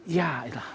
ya itu lah